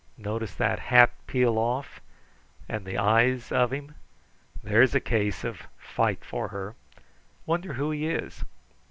Notice that hat peel off, and the eyes of him? There's a case of 'fight for her!' Wonder who he is?"